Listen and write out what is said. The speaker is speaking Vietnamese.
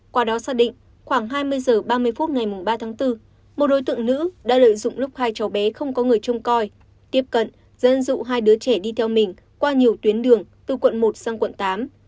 qua đó xác định khoảng hai mươi h ba mươi phút ngày ba tháng bốn một đối tượng nữ đã lợi dụng lúc hai cháu bé không có người trông coi tiếp cận dẫn dụ hai đứa trẻ đi theo mình qua nhiều tuyến đường từ quận một sang quận tám